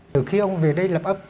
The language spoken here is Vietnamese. từ khi ông về đây lập ấp